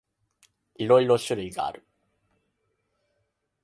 いろいろ種類がある。